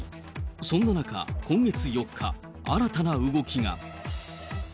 そんな中、今月４日、新たな動きが。